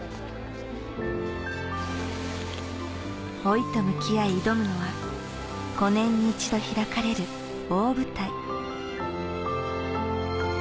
老いと向き合い挑むのは５年に１度開かれる大舞台